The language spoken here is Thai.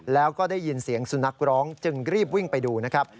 แล้วก็ได้ยินเสียงสุนัขร้องจึงรีบวิ่งไปดูนะครับ